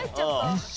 一緒？